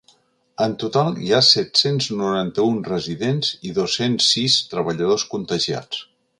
En total hi ha set-cents noranta-un residents i dos-cents sis treballadors contagiats.